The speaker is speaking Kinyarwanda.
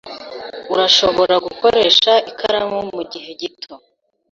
Urashobora gukoresha ikaramu mugihe gito.